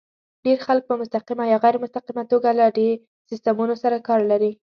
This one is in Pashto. ډېر خلک په مستقیمه یا غیر مستقیمه توګه له دې سیسټمونو سره کار لري.